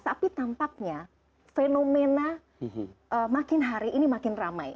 tapi tampaknya fenomena makin hari ini makin ramai